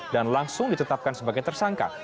dan langsung ditetapkan sebagai tersangka